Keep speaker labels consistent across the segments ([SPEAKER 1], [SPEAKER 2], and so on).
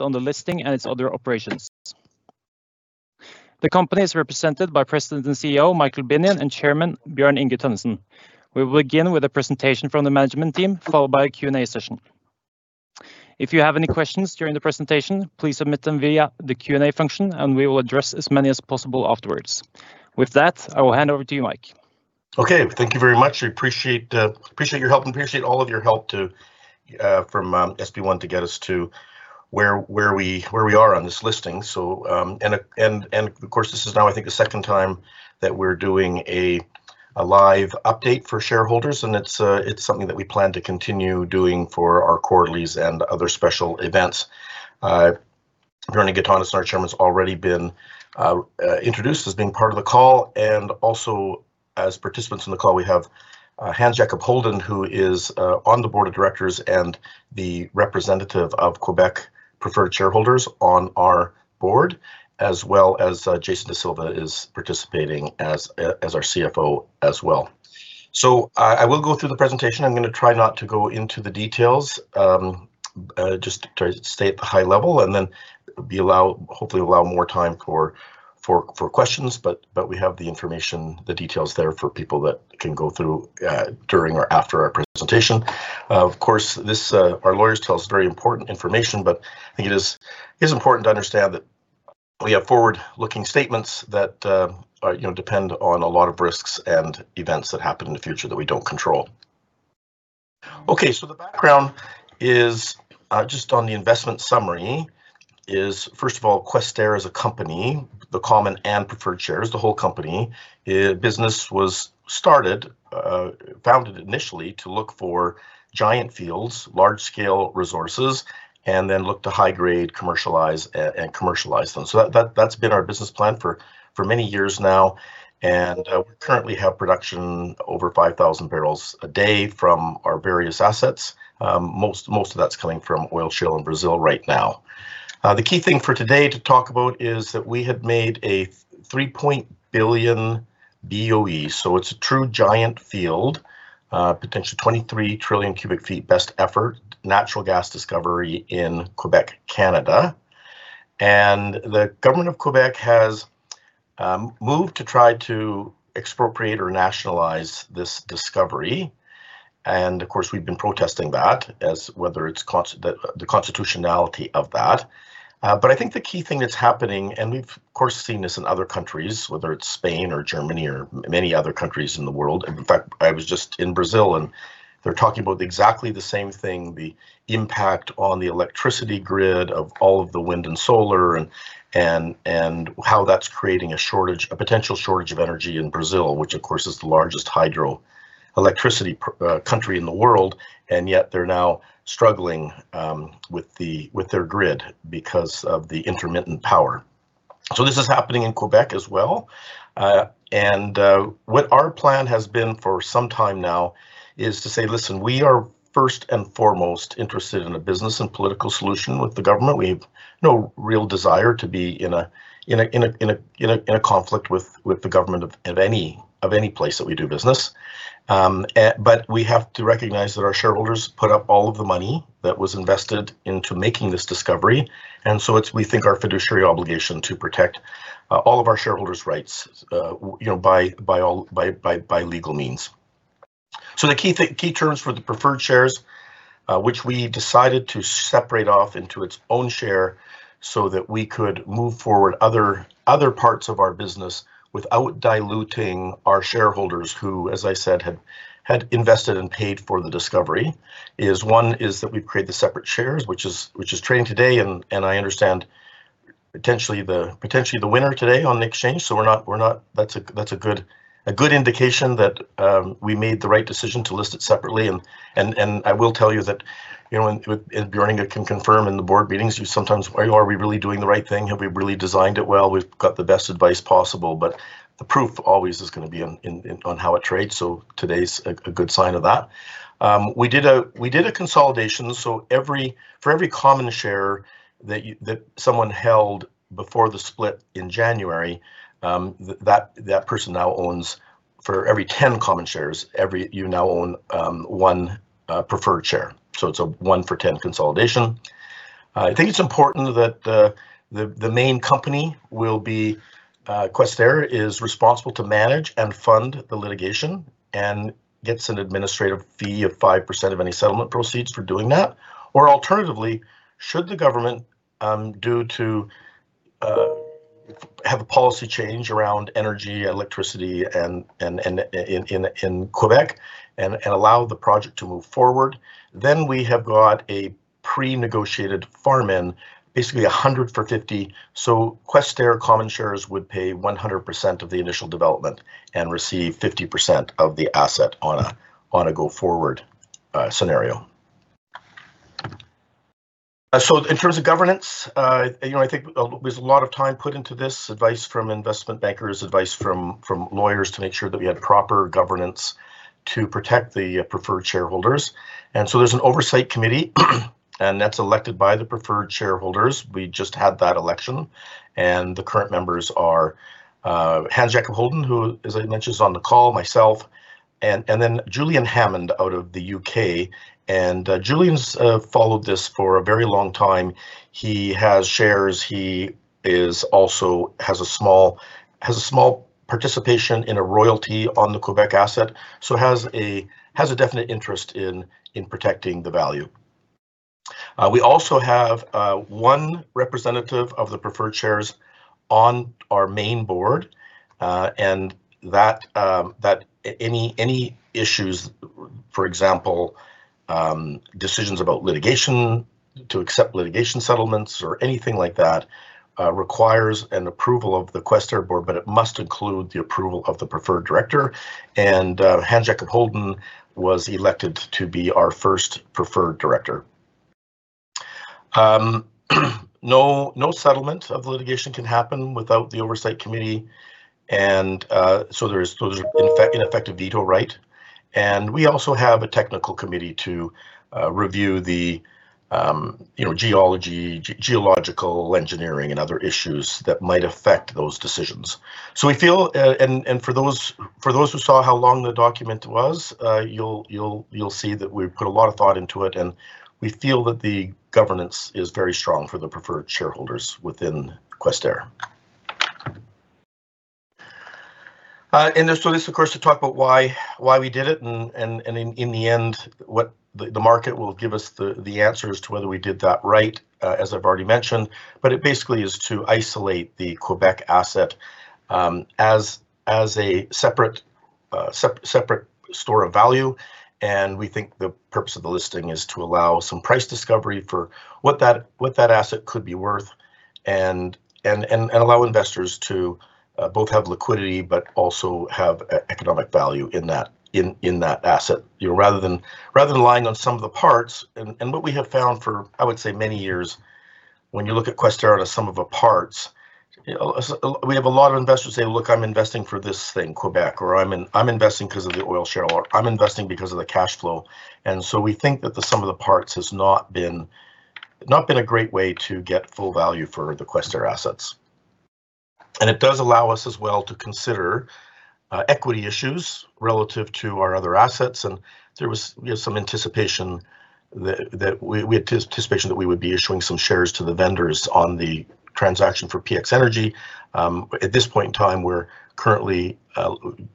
[SPEAKER 1] On the listing and its other operations. The company is represented by President and CEO, Michael Binnion, and Chairman, Bjørn Inge Tønnessen. We will begin with a presentation from the management team, followed by a Q&A session. If you have any questions during the presentation, please submit them via the Q&A function, and we will address as many as possible afterwards. With that, I will hand over to you, Mike.
[SPEAKER 2] Thank you very much. I appreciate all of your help from SP1 to get us to where we are on this listing. Of course, this is now, I think, the second time that we're doing a live update for shareholders, and it's something that we plan to continue doing for our quarterlies and other special events. Bjørn Inge Tønnessen, our Chairman, has already been introduced as being part of the call, and also as participants in the call, we have Hans Jacob Holden, who is on the Board of Directors and the representative of Quebec preferred shareholders on our board. As well as Jason D'Silva is participating as our CFO as well. I will go through the presentation. I'm going to try not to go into the details. Just try to stay at the high level, and then hopefully allow more time for questions, but we have the information, the details there for people that can go through during or after our presentation. Our lawyers tell us very important information, but I think it is important to understand that we have forward-looking statements that depend on a lot of risks and events that happen in the future that we don't control. The background is, just on the investment summary is, first of all, Questerre as a company. The common and preferred shares, the whole company. Business was started, founded initially to look for giant fields, large-scale resources, and then look to high-grade and commercialize them. That's been our business plan for many years now, and we currently have production over 5,000 bbl a day from our various assets. Most of that's coming from Oil Shale in Brazil right now. The key thing for today to talk about is that we have made a 3.0 billion BOE, so it's a true giant field. Potentially 23 trillion cu ft, best effort, natural gas discovery in Quebec, Canada. The government of Quebec has moved to try to expropriate or nationalize this discovery. Of course, we've been protesting that as whether it's the constitutionality of that. I think the key thing that's happening, and we've of course seen this in other countries, whether it's Spain or Germany or many other countries in the world. In fact, I was just in Brazil, and they're talking about exactly the same thing, the impact on the electricity grid of all of the wind and solar and how that's creating a potential shortage of energy in Brazil. Which, of course, is the largest hydroelectricity country in the world. Yet they're now struggling with their grid because of the intermittent power. This is happening in Quebec as well. What our plan has been for some time now is to say, "Listen, we are first and foremost interested in a business and political solution with the government." We've no real desire to be in a conflict with the government of any place that we do business. We have to recognize that our shareholders put up all of the money that was invested into making this discovery. It's, we think, our fiduciary obligation to protect all of our shareholders' rights by legal means. The key terms for the preferred shares, which we decided to separate off into its own share so that we could move forward other parts of our business without diluting our shareholders who, as I said, had invested and paid for the discovery, is one, is that we've created the separate shares, which is trading today and I understand potentially the winner today on the exchange. That's a good indication that we made the right decision to list it separately. I will tell you that, Bjørn can confirm in the board meetings, you sometimes, "Are we really doing the right thing? Have we really designed it well? We've got the best advice possible." The proof always is going to be on how it trades. Today's a good sign of that. We did a consolidation, for every common share that someone held before the split in January, that person now owns for every 10 common shares, you now own one preferred share. It's a one for 10 consolidation. I think it's important that the main company will be Questerre is responsible to manage and fund the litigation and gets an administrative fee of 5% of any settlement proceeds for doing that. Alternatively, should the government, due to have a policy change around energy, electricity in Quebec and allow the project to move forward, we have got a pre-negotiated farm-in, basically 100 for 50. Questerre common shares would pay 100% of the initial development and receive 50% of the asset on a go-forward scenario. In terms of governance, I think there's a lot of time put into this. Advice from investment bankers, advice from lawyers to make sure that we had proper governance to protect the preferred shareholders. There's an oversight committee that's elected by the preferred shareholders. We just had that election, and the current members are Hans Jacob Holden, who, as I mentioned, is on the call, myself, and Julian Hammond out of the U.K. Julian's followed this for a very long time. He has shares. He also has a small participation in a royalty on the Quebec asset, so has a definite interest in protecting the value. We also have one representative of the preferred shares on our main board. Any issues, for example, decisions about litigation to accept litigation settlements or anything like that, requires an approval of the Questerre board, but it must include the approval of the preferred director. Hans Jacob Holden was elected to be our first preferred director. No settlement of litigation can happen without the oversight committee. So there's an ineffective veto right. We also have a technical committee to review the geological engineering and other issues that might affect those decisions. For those who saw how long the document was, you'll see that we put a lot of thought into it. We feel that the governance is very strong for the preferred shareholders within Questerre. There's still this, of course, to talk about why we did it, and in the end, what the market will give us the answers to whether we did that right, as I've already mentioned. It basically is to isolate the Quebec asset as a separate store of value. We think the purpose of the listing is to allow some price discovery for what that asset could be worth and allow investors to both have liquidity but also have economic value in that asset. Rather than relying on some of the parts, what we have found for, I would say, many years when you look at Questerre as sum of a parts, we have a lot of investors say, "Look, I'm investing for this thing, Quebec," or, "I'm investing because of the Oil Shale" or, "I'm investing because of the cash flow." We think that the sum of the parts has not been a great way to get full value for the Questerre assets. It does allow us as well to consider equity issues relative to our other assets. We had anticipation that we would be issuing some shares to the vendors on the transaction for PX Energy. At this point in time, we're currently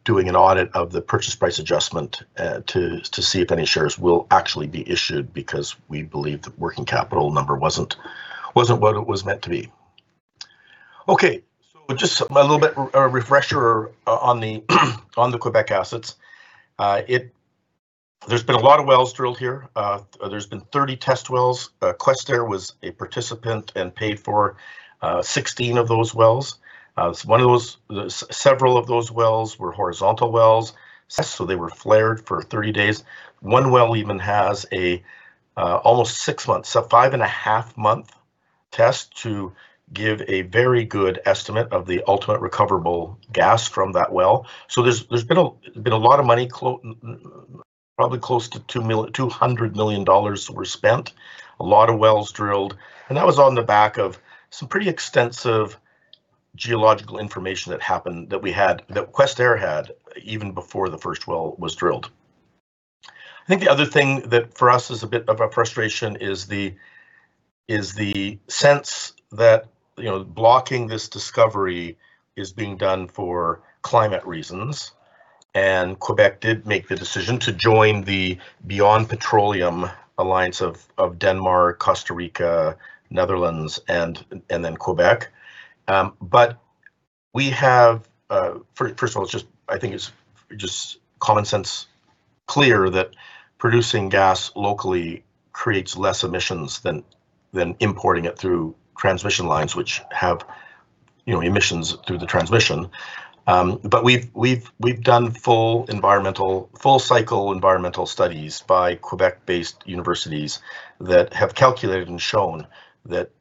[SPEAKER 2] doing an audit of the purchase price adjustment to see if any shares will actually be issued because we believe the working capital number wasn't what it was meant to be. Okay. Just a little bit of a refresher on the Quebec assets. There's been a lot of wells drilled here. There's been 30 test wells. Questerre was a participant and paid for 16 of those wells. Several of those wells were horizontal wells. They were flared for 30 days. One well even has almost six months, a five-and-a-half-month test to give a very good estimate of the ultimate recoverable gas from that well. There's been a lot of money. Probably close to 200 million dollars were spent. A lot of wells drilled. That was on the back of some pretty extensive geological information that Questerre had even before the first well was drilled. I think the other thing that for us is a bit of a frustration is the sense that blocking this discovery is being done for climate reasons. Quebec did make the decision to join the Beyond Oil and Gas Alliance of Denmark, Costa Rica, Netherlands, and then Quebec. First of all, I think it's just common sense clear that producing gas locally creates less emissions than importing it through transmission lines, which have emissions through the transmission. We've done full cycle environmental studies by Quebec-based universities that have calculated and shown that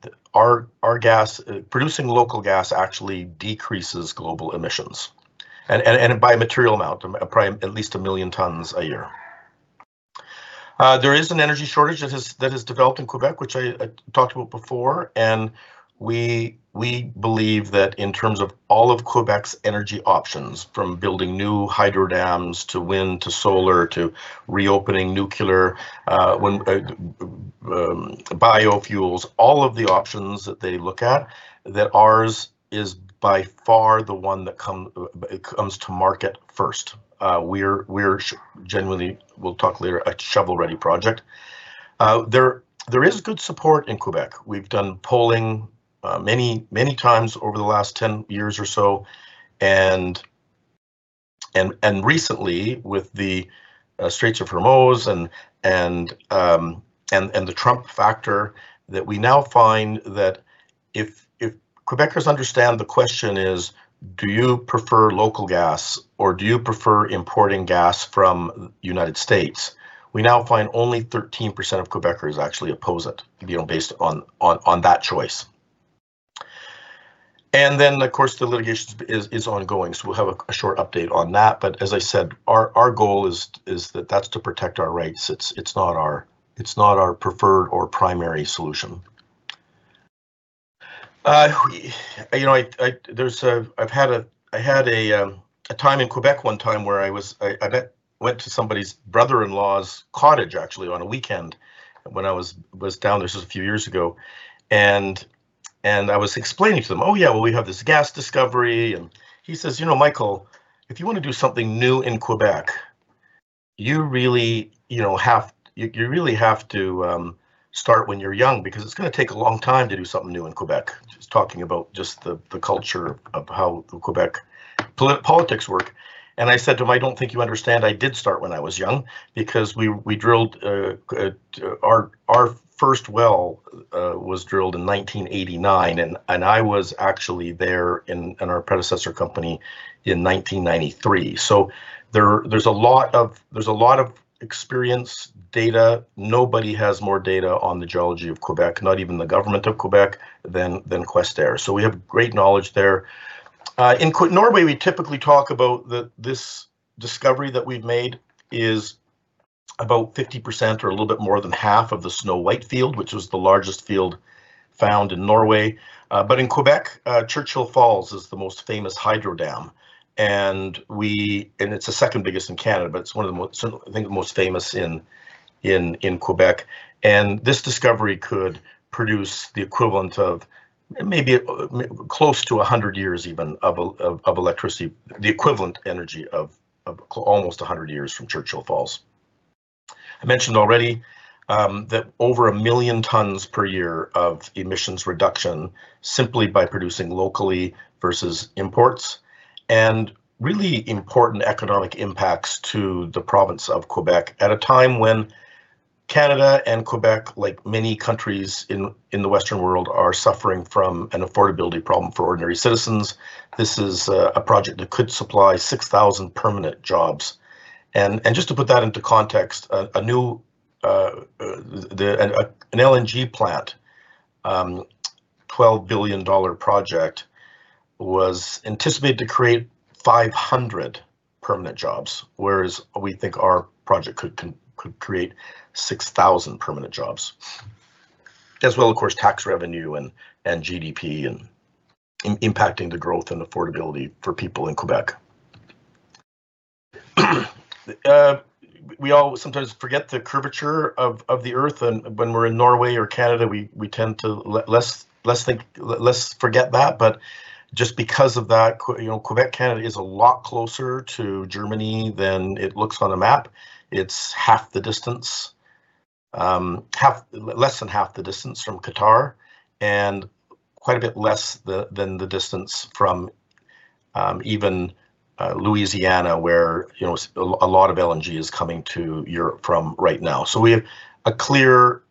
[SPEAKER 2] producing local gas actually decreases global emissions. By a material amount, at least a million tons a year. There is an energy shortage that has developed in Quebec, which I talked about before. We believe that in terms of all of Quebec's energy options, from building new hydro dams to wind to solar to reopening nuclear, biofuels, all of the options that they look at, that ours is by far the one that comes to market first. We're genuinely, we'll talk later, a shovel-ready project. There is good support in Quebec. We've done polling many times over the last 10 years or so. Recently, with the Straits of Hormuz and the Trump factor, we now find that if Quebecers understand the question is, do you prefer local gas or do you prefer importing gas from U.S.? We now find only 13% of Quebecers actually oppose it based on that choice. Then, of course, the litigation is ongoing, so we'll have a short update on that. As I said, our goal is that that's to protect our rights. It's not our preferred or primary solution. I had a time in Quebec one time where I went to somebody's brother-in-law's cottage, actually, on a weekend when I was down there. This was a few years ago. I was explaining to them, "Oh, yeah. Well, we have this gas discovery." He says, "You know, Michael, if you want to do something new in Quebec, you really have to start when you're young, because it's going to take a long time to do something new in Quebec." Just talking about just the culture of how Quebec politics work. I said to him, "I don't think you understand. I did start when I was young." Our first well was drilled in 1989, I was actually there in our predecessor company in 1993. There's a lot of experience, data. Nobody has more data on the geology of Quebec, not even the government of Quebec, than Questerre. We have great knowledge there. In Norway, we typically talk about this discovery that we've made is about 50% or a little bit more than half of the Snøhvit field, which was the largest field found in Norway. In Quebec, Churchill Falls is the most famous hydro dam. It's the second-biggest in Canada, but it's, I think, the most famous in Quebec. This discovery could produce the equivalent of maybe close to 100 years even of electricity, the equivalent energy of almost 100 years from Churchill Falls. I mentioned already that over 1 million tons per year of emissions reduction simply by producing locally versus imports, really important economic impacts to the province of Quebec at a time when Canada and Quebec, like many countries in the Western world, are suffering from an affordability problem for ordinary citizens. This is a project that could supply 6,000 permanent jobs. Just to put that into context, an LNG plant, 12 billion dollar project, was anticipated to create 500 permanent jobs, whereas we think our project could create 6,000 permanent jobs. As well, of course, tax revenue and GDP and impacting the growth and affordability for people in Quebec. We all sometimes forget the curvature of the Earth. When we're in Norway or Canada, we tend to forget that. Just because of that, Quebec, Canada is a lot closer to Germany than it looks on a map. It's half the distance, less than half the distance from Qatar, and quite a bit less than the distance from even Louisiana, where a lot of LNG is coming to Europe from right now. We have a clear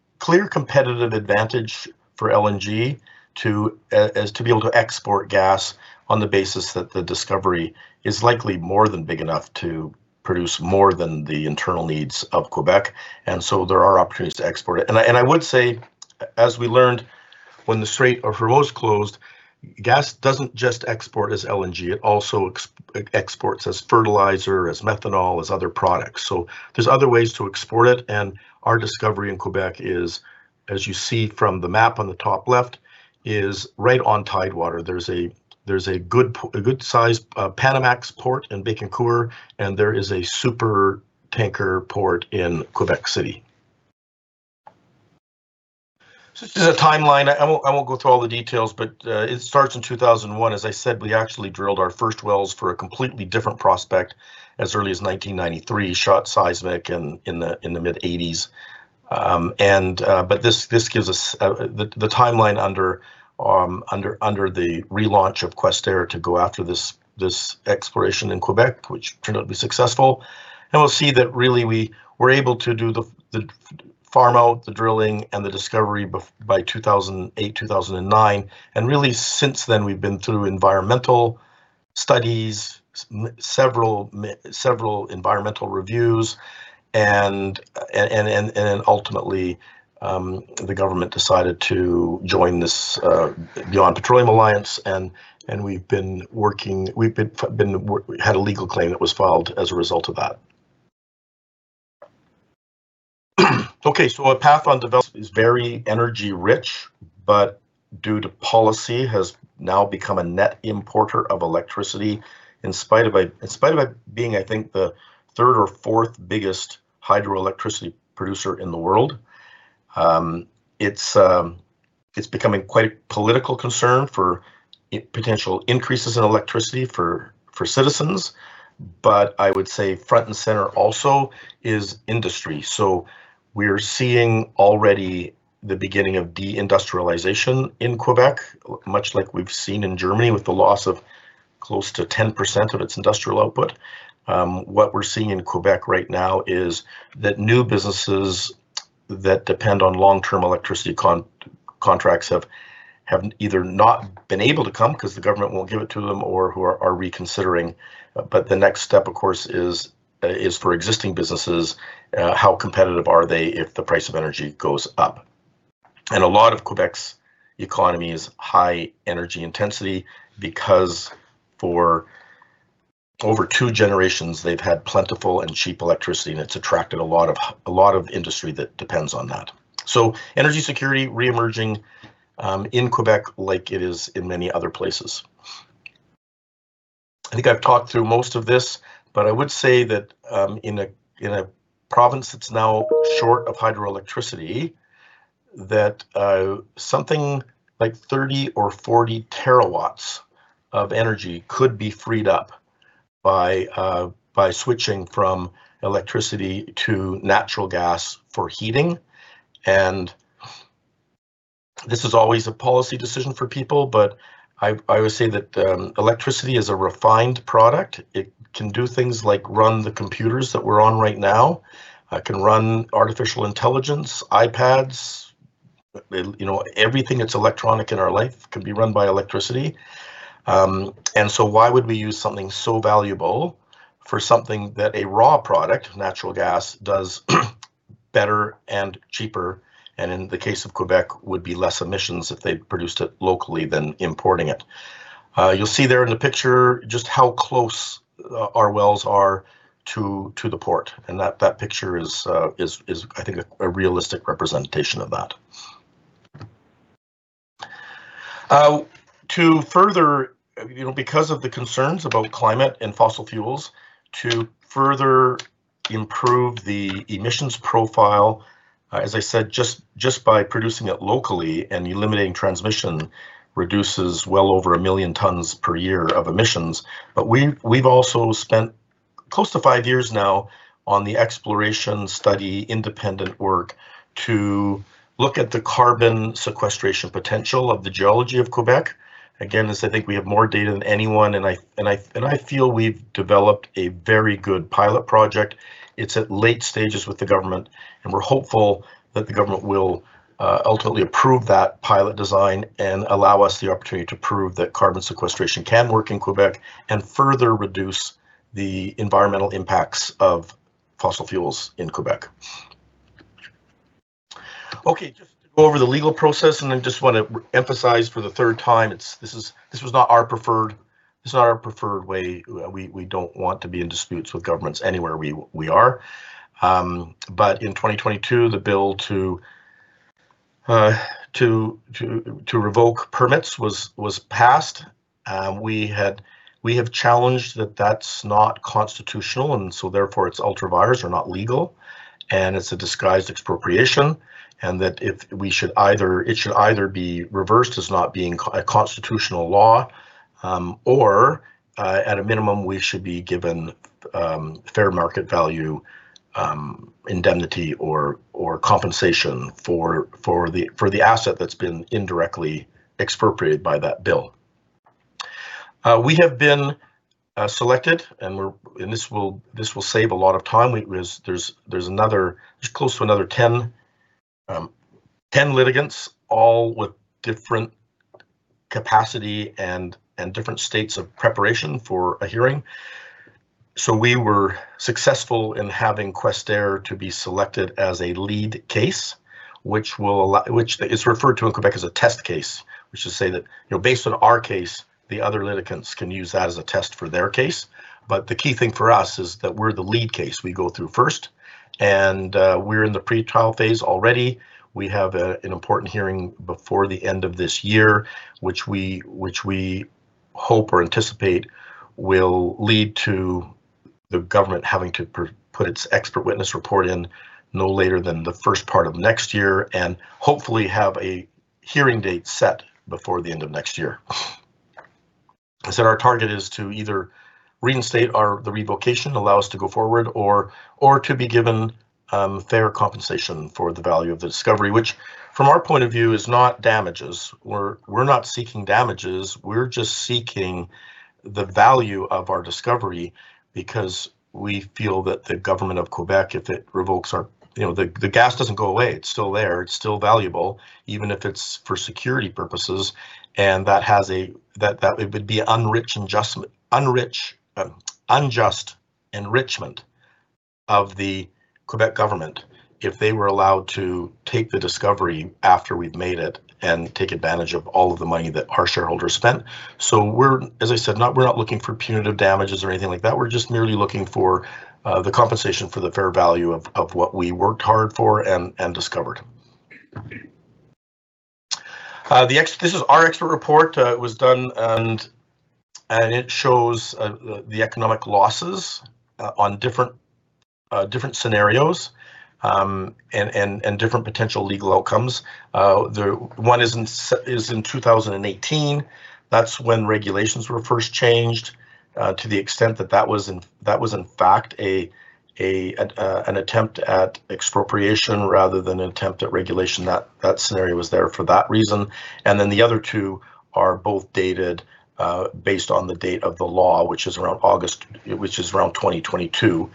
[SPEAKER 2] competitive advantage for LNG. As to be able to export gas on the basis that the discovery is likely more than big enough to produce more than the internal needs of Quebec. There are opportunities to export it. I would say, as we learned when the Strait of Hormuz closed, gas doesn't just export as LNG, it also exports as fertilizer, as methanol, as other products. There's other ways to export it. Our discovery in Quebec is, as you see from the map on the top left, is right on tidewater. There's a good size Panamax port in Baie-Comeau, and there is a super tanker port in Quebec City. This is a timeline. I won't go through all the details, but it starts in 2001. As I said, we actually drilled our first wells for a completely different prospect as early as 1993, shot seismic in the mid-'80s. This gives us the timeline under the relaunch of Questerre to go after this exploration in Quebec, which proved to be successful. We'll see that really we were able to do the farm out, the drilling, and the discovery by 2008, 2009. Really since then, we've been through environmental studies, several environmental reviews. Ultimately, the government decided to join this Beyond Oil and Gas Alliance. We had a legal claim that was filed as a result of that. Our path on development is very energy rich, but due to policy, has now become a net importer of electricity in spite of it being, I think, the third or fourth biggest hydroelectricity producer in the world. It's becoming quite a political concern for potential increases in electricity for citizens. I would say front and center also is industry. We're seeing already the beginning of de-industrialization in Quebec, much like we've seen in Germany with the loss of close to 10% of its industrial output. What we're seeing in Quebec right now is that new businesses that depend on long-term electricity contracts have either not been able to come because the government won't give it to them or who are reconsidering. The next step, of course, is for existing businesses, how competitive are they if the price of energy goes up? A lot of Quebec's economy is high energy intensity because for over two generations, they've had plentiful and cheap electricity, and it's attracted a lot of industry that depends on that. Energy security reemerging in Quebec like it is in many other places. I think I've talked through most of this, but I would say that in a province that's now short of hydroelectricity, that something like 30 or 40 terawatts of energy could be freed up by switching from electricity to natural gas for heating. This is always a policy decision for people, but I would say that electricity is a refined product. It can do things like run the computers that we're on right now. It can run artificial intelligence, iPads. Everything that's electronic in our life can be run by electricity. Why would we use something so valuable for something that a raw product, natural gas, does better and cheaper, and in the case of Quebec, would be less emissions if they produced it locally than importing it? You'll see there in the picture just how close our wells are to the port, and that picture is, I think, a realistic representation of that. Because of the concerns about climate and fossil fuels, to further improve the emissions profile, as I said, just by producing it locally and eliminating transmission reduces well over 1 million tons per year of emissions. We've also spent close to five years now on the exploration study independent work to look at the carbon sequestration potential of the geology of Quebec. As I think we have more data than anyone, and I feel we've developed a very good pilot project. It's at late stages with the government, and we're hopeful that the government will ultimately approve that pilot design and allow us the opportunity to prove that carbon sequestration can work in Quebec and further reduce the environmental impacts of fossil fuels in Quebec. Just to go over the legal process, and I just want to emphasize for the third time, this was not our preferred way. We don't want to be in disputes with governments anywhere we are. In 2022, the bill to revoke permits was passed. We have challenged that that's not constitutional, therefore it's ultra vires or not legal. It's a disguised expropriation, and that it should either be reversed as not being a constitutional law or, at a minimum, we should be given fair market value indemnity or compensation for the asset that's been indirectly expropriated by that bill. We have been selected. This will save a lot of time. There's close to another 10 litigants, all with different capacity and different states of preparation for a hearing. We were successful in having Questerre to be selected as a lead case, which is referred to in Quebec as a test case. Which is to say that, based on our case, the other litigants can use that as a test for their case. The key thing for us is that we're the lead case. We go through first. We're in the pretrial phase already. We have an important hearing before the end of this year, which we hope or anticipate will lead to the government having to put its expert witness report in no later than the first part of next year and hopefully have a hearing date set before the end of next year. As I said, our target is to either reinstate the revocation, allow us to go forward, or to be given fair compensation for the value of the discovery, which, from our point of view, is not damages. We're not seeking damages. We're just seeking the value of our discovery because we feel that the government of Quebec. The gas doesn't go away. It's still there. It's still valuable, even if it's for security purposes. It would be unjust enrichment of the Quebec government if they were allowed to take the discovery after we've made it and take advantage of all of the money that our shareholders spent. We're, as I said, we're not looking for punitive damages or anything like that. We're just merely looking for the compensation for the fair value of what we worked hard for and discovered. This is our expert report. It was done and it shows the economic losses on different scenarios and different potential legal outcomes. One is in 2018. That's when regulations were first changed to the extent that that was, in fact, an attempt at expropriation rather than an attempt at regulation. That scenario was there for that reason. The other two are both dated based on the date of the law, which is around 2022.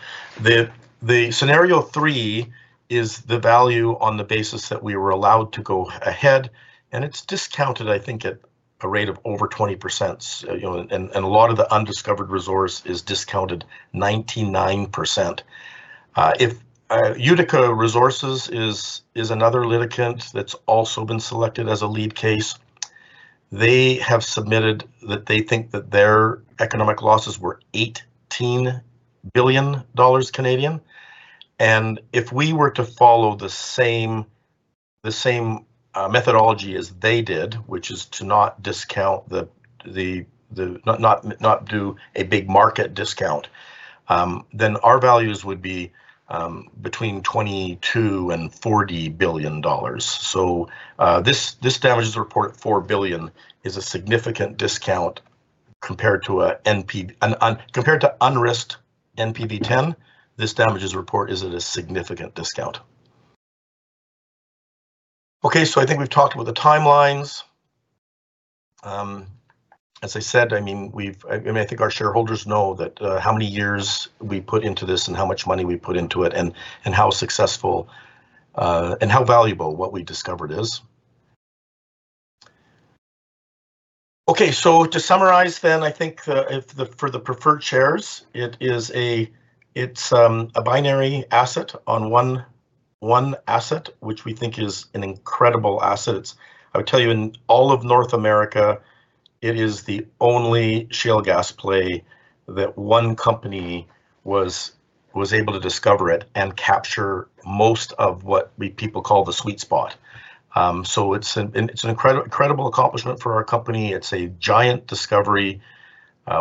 [SPEAKER 2] The scenario three is the value on the basis that we were allowed to go ahead, and it's discounted, I think, at a rate of over 20%. A lot of the undiscovered resource is discounted 99%. Utica Resources is another litigant that's also been selected as a lead case. They have submitted that they think that their economic losses were 18 billion Canadian dollars. If we were to follow the same methodology as they did, which is to not do a big market discount, then our values would be between 22 billion and 40 billion dollars. This damages report, 4 billion, is a significant discount compared to unrisked NPV10. This damages report is at a significant discount. I think we've talked about the timelines. As I said, I think our shareholders know how many years we put into this and how much money we put into it, and how successful and how valuable what we discovered is. To summarize, I think for the preferred shares, it's a binary asset on one asset, which we think is an incredible asset. I would tell you in all of North America, it is the only shale gas play that one company was able to discover it and capture most of what people call the sweet spot. It's an incredible accomplishment for our company. It's a giant discovery.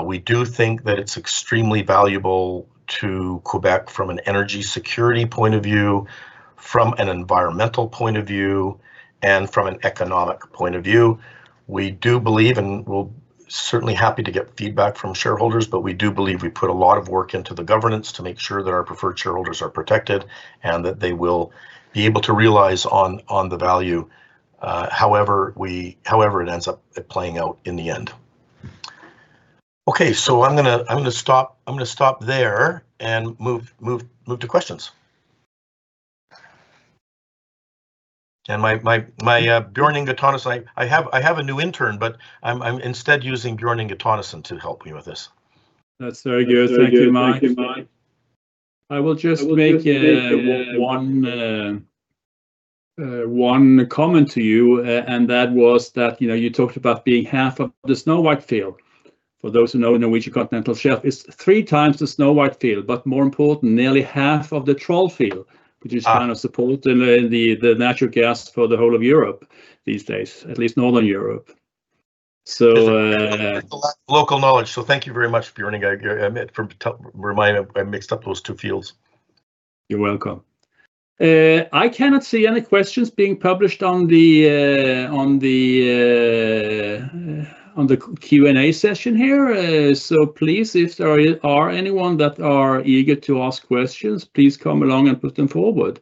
[SPEAKER 2] We do think that it's extremely valuable to Quebec from an energy security point of view, from an environmental point of view, and from an economic point of view. We'll certainly happy to get feedback from shareholders, but we do believe we put a lot of work into the governance to make sure that our preferred shareholders are protected, and that they will be able to realize on the value, however it ends up playing out in the end. I'm going to stop there and move to questions. My, Bjørn Inge Tønnessen, I have a new intern, but I'm instead using Bjørn Inge Tønnessen to help me with this.
[SPEAKER 3] That's very good. Thank you, Mike. I will just make one comment to you, and that was that you talked about being half of the Snøhvit field. For those who know Norwegian continental shelf, it's three times the Snøhvit field, but more important, nearly half of the Troll field, which is kind of supporting the natural gas for the whole of Europe these days. At least Northern Europe.
[SPEAKER 2] Local knowledge. Thank you very much, Bjørn Inge, for reminding. I mixed up those two fields.
[SPEAKER 3] You're welcome. I cannot see any questions being published on the Q&A session here. Please, if there are anyone that are eager to ask questions, please come along and put them forward.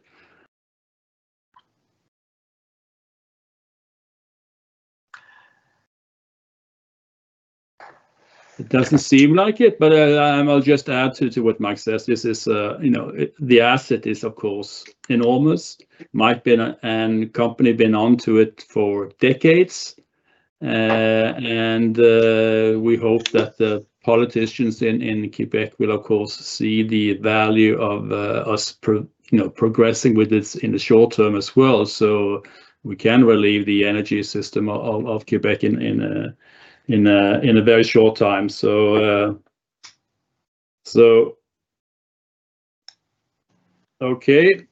[SPEAKER 3] It doesn't seem like it, but I'll just add to what Mike says. The asset is, of course, enormous. Mike and company been onto it for decades. We hope that the politicians in Quebec will, of course, see the value of us progressing with this in the short term as well, so we can relieve the energy system of Quebec in a very short time. Okay.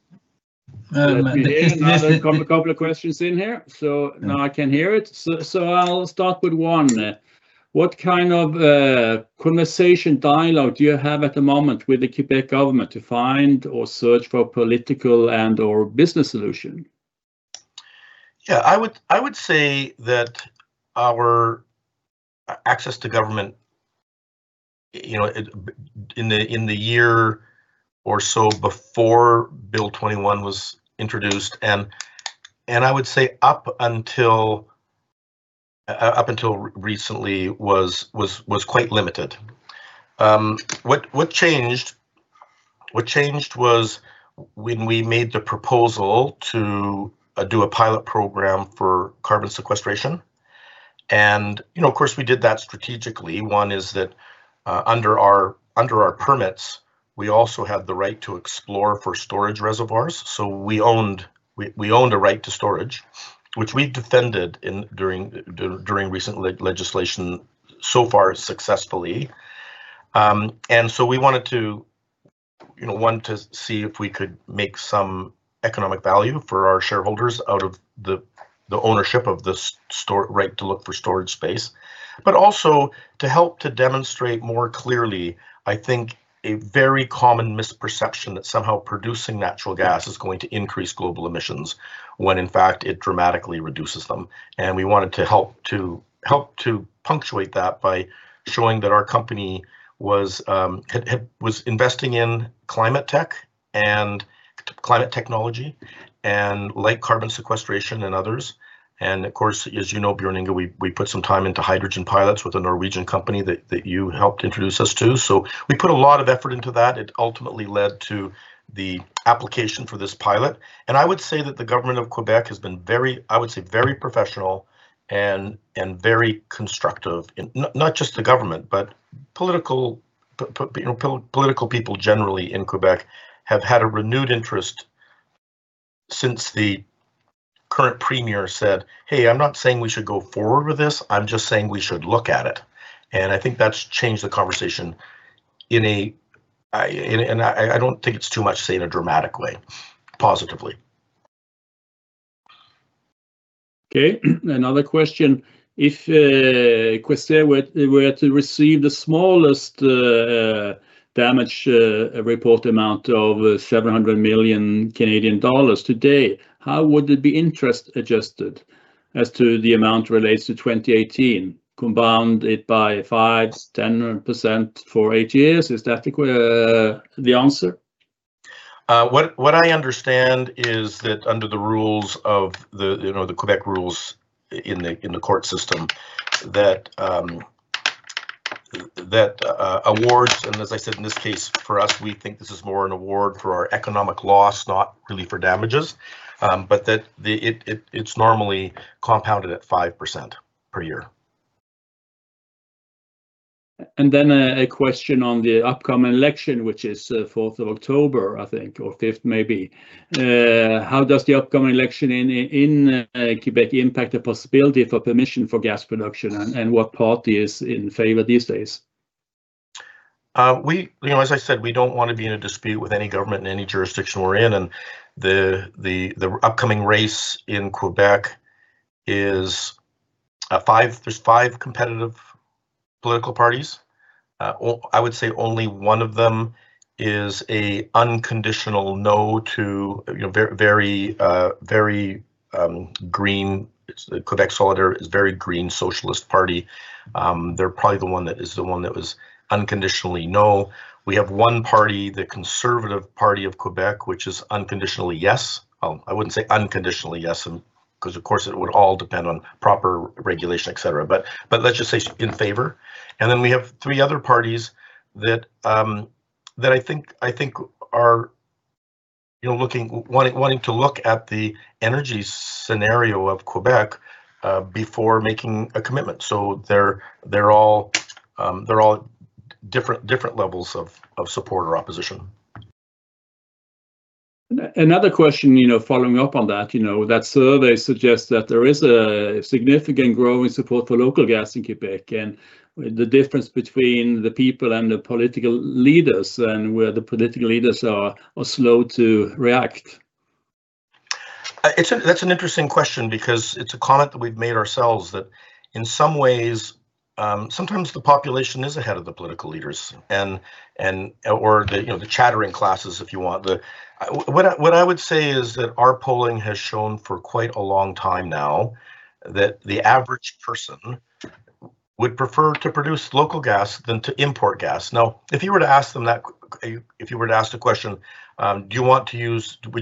[SPEAKER 3] Now there come a couple of questions in here. Now I can hear it. I'll start with one. What kind of conversation dialogue do you have at the moment with the Quebec government to find or search for political and/or business solution?
[SPEAKER 2] I would say that our access to government in the year or so before Bill 21 was introduced, and I would say up until recently was quite limited. What changed was when we made the proposal to do a pilot program for carbon sequestration, and of course, we did that strategically. One is that under our permits, we also have the right to explore for storage reservoirs. We owned a right to storage, which we defended during recent legislation, so far successfully. We wanted to see if we could make some economic value for our shareholders out of the ownership of this right to look for storage space. Also to help to demonstrate more clearly, I think, a very common misperception that somehow producing natural gas is going to increase global emissions, when in fact, it dramatically reduces them. We wanted to help to punctuate that by showing that our company was investing in climate tech and climate technology, like carbon sequestration and others. Of course, as you know, Bjørn Inge, we put some time into hydrogen pilots with a Norwegian company that you helped introduce us to. We put a lot of effort into that. It ultimately led to the application for this pilot. I would say that the Government of Quebec has been very, I would say, very professional and very constructive. Not just the Government, but political people generally in Quebec have had a renewed interest. Since the current Premier said, "Hey, I'm not saying we should go forward with this. I'm just saying we should look at it." I think that's changed the conversation, and I don't think it's too much to say in a dramatic way, positively.
[SPEAKER 3] Another question. If Questerre were to receive the smallest damage report amount of 700 million Canadian dollars today, how would the interest be adjusted as to the amount related to 2018, compounded by 5%, 10% for eight years? Is that the answer?
[SPEAKER 2] What I understand is that under the rules of the Quebec rules in the court system that awards, and as I said, in this case for us, we think this is more an award for our economic loss, not really for damages. That it's normally compounded at 5% per year.
[SPEAKER 3] Then a question on the upcoming election, which is the 4th of October, I think, or 5th maybe. How does the upcoming election in Quebec impact the possibility for permission for gas production, and what party is in favor these days?
[SPEAKER 2] As I said, we don't want to be in a dispute with any government in any jurisdiction we're in, and the upcoming race in Québec, there's five competitive political parties. I would say only one of them is an unconditional no to very green. Québec Solidaire is very green socialist party. They're probably the one that is the one that was unconditionally no. We have one party, the Conservative Party of Québec, which is unconditionally yes. I wouldn't say unconditionally yes, because of course it would all depend on proper regulation, et cetera. Legislation in favor. We have three other parties that I think are wanting to look at the energy scenario of Québec before making a commitment. They're all different levels of support or opposition.
[SPEAKER 3] Another question following up on that. That survey suggests that there is a significant growing support for local gas in Québec, and the difference between the people and the political leaders and where the political leaders are slow to react.
[SPEAKER 2] That's an interesting question because it's a comment that we've made ourselves, that in some ways sometimes the population is ahead of the political leaders or the chattering classes, if you want. What I would say is that our polling has shown for quite a long time now that the average person would prefer to produce local gas than to import gas. If you were to ask a question, "Would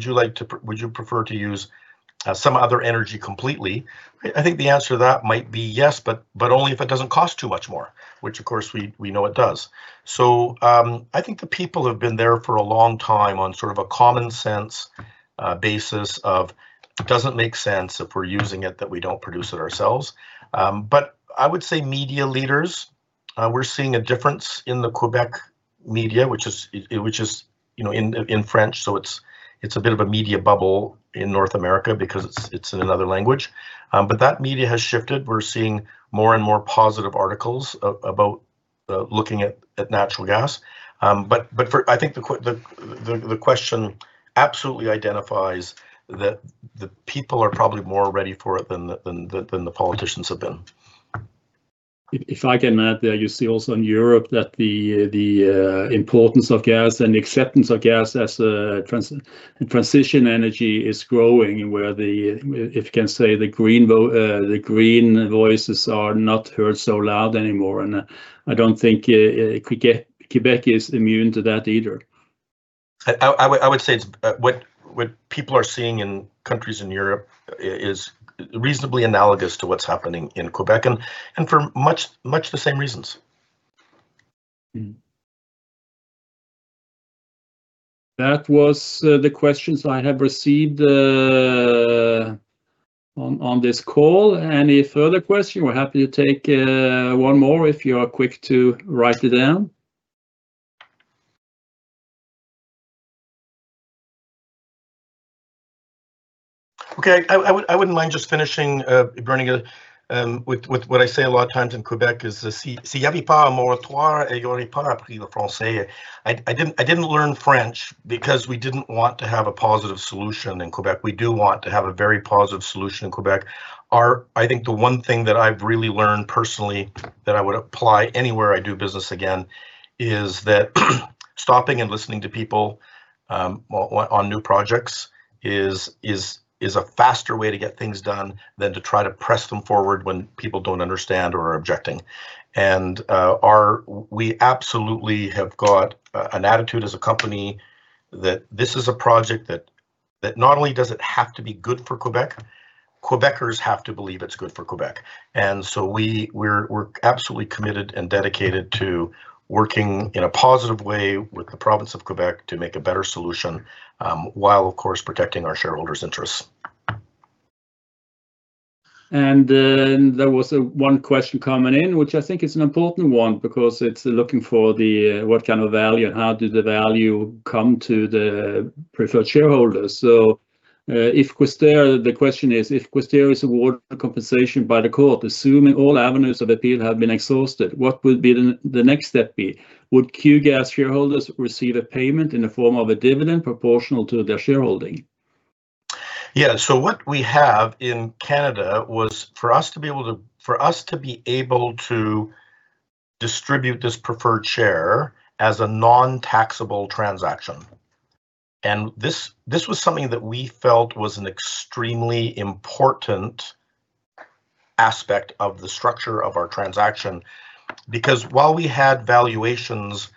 [SPEAKER 2] you prefer to use some other energy completely?" I think the answer to that might be yes, but only if it doesn't cost too much more. Which, of course, we know it does. I think the people have been there for a long time on sort of a common sense basis of it doesn't make sense if we're using it, that we don't produce it ourselves. I would say media leaders, we're seeing a difference in the Québec media, which is in French, so it's a bit of a media bubble in North America because it's in another language. That media has shifted. We're seeing more and more positive articles about looking at natural gas. I think the question absolutely identifies that the people are probably more ready for it than the politicians have been.
[SPEAKER 3] If I can add there, you see also in Europe that the importance of gas and acceptance of gas as a transition energy is growing, where the, if you can say, the green voices are not heard so loud anymore. I don't think Quebec is immune to that either.
[SPEAKER 2] I would say what people are seeing in countries in Europe is reasonably analogous to what's happening in Quebec, and for much the same reasons.
[SPEAKER 3] That was the questions I have received on this call. Any further question? We're happy to take one more if you are quick to write it down.
[SPEAKER 2] Okay. I wouldn't mind just finishing, Bjørn Inge, with what I say a lot of times in Quebec is I didn't learn French because we didn't want to have a positive solution in Quebec. We do want to have a very positive solution in Quebec. I think the one thing that I've really learned personally that I would apply anywhere I do business again is that stopping and listening to people on new projects is a faster way to get things done than to try to press them forward when people don't understand or are objecting. We absolutely have got an attitude as a company that this is a project that not only does it have to be good for Quebec, Quebecers have to believe it's good for Quebec. We're absolutely committed and dedicated to working in a positive way with the province of Quebec to make a better solution, while of course, protecting our shareholders' interests.
[SPEAKER 3] There was one question coming in, which I think is an important one because it's looking for what kind of value and how did the value come to the preferred shareholders. The question is, "If Questerre is awarded a compensation by the court, assuming all avenues of appeal have been exhausted, what would the next step be? Would QGAS shareholders receive a payment in the form of a dividend proportional to their shareholding?
[SPEAKER 2] Yeah. What we have in Canada was for us to be able to distribute this preferred share as a non-taxable transaction. This was something that we felt was an extremely important aspect of the structure of our transaction because while we had valuations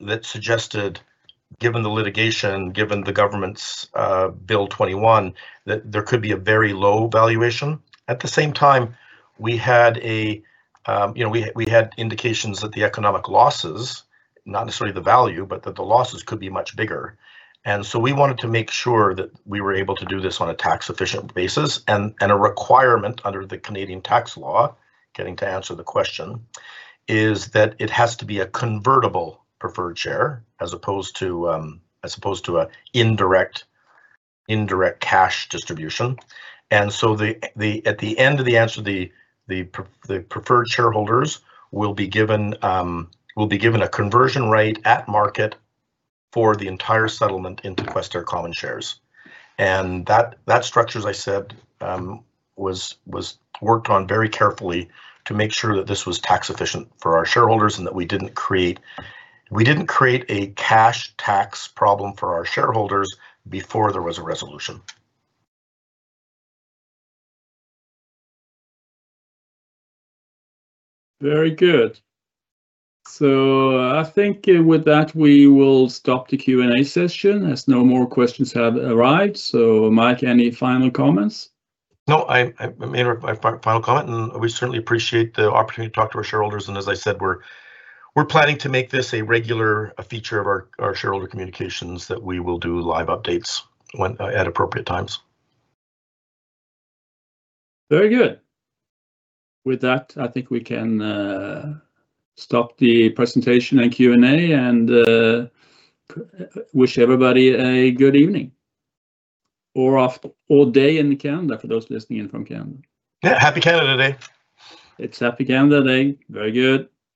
[SPEAKER 2] that suggested, given the litigation, given the government's Bill 21, that there could be a very low valuation. At the same time, we had indications that the economic losses, not necessarily the value, but that the losses could be much bigger. We wanted to make sure that we were able to do this on a tax-efficient basis. A requirement under the Canadian tax law, getting to answer the question, is that it has to be a convertible preferred share as opposed to an indirect cash distribution. At the end of the answer, the preferred shareholders will be given a conversion rate at market for the entire settlement into Questerre common shares. That structure, as I said, was worked on very carefully to make sure that this was tax efficient for our shareholders, and that we didn't create a cash tax problem for our shareholders before there was a resolution.
[SPEAKER 3] Very good. I think with that, we will stop the Q&A session as no more questions have arrived. Mike, any final comments?
[SPEAKER 2] No, I made my final comment, we certainly appreciate the opportunity to talk to our shareholders. As I said, we're planning to make this a regular feature of our shareholder communications that we will do live updates at appropriate times.
[SPEAKER 3] Very good. With that, I think we can stop the presentation and Q&A, wish everybody a good evening or day in Canada for those listening in from Canada.
[SPEAKER 2] Yeah. Happy Canada Day.
[SPEAKER 3] It's happy Canada Day. Very good.